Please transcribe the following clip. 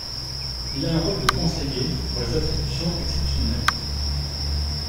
Il a un rôle de conseiller pour les attributions exceptionnelles.